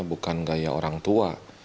bukan gaya orang tua